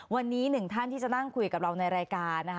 วันนี้หนึ่งท่านที่จะนั่งคุยกับเราในรายการนะคะ